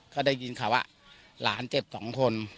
เขาได้ยินค่ะว่าหลานเจ็บสองคน